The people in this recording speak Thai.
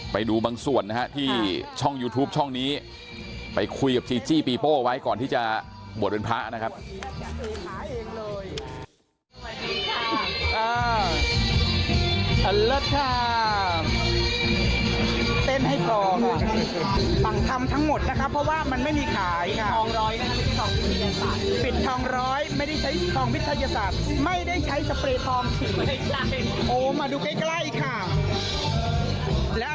ไปดูบางส่วนนะฮะที่ช่องยูทูปช่องนี้ไปคุยกับจีจี้ปีโป้ไว้ก่อนที่จะบวชเป็นพระนะครับ